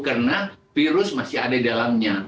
karena virus masih ada di dalamnya